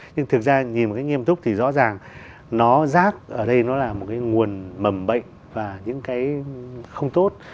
nhưng thực ra nhìn một cách nghiêm túc thì rõ ràng nó rác ở đây nó là một cái nguồn mầm bệnh và những cái không tốt